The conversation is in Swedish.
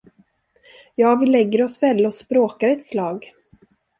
Ja vi lägger oss väl och språkar ett slag!